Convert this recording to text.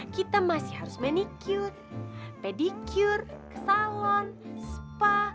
kita masih harus manicute pedicure ke salon spa